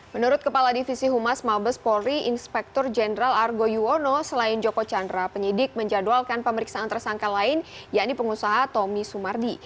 menurut kepala divisi humas mabes polri inspektur jenderal argo yuwono selain joko chandra penyidik menjadwalkan pemeriksaan tersangka lain yakni pengusaha tommy sumardi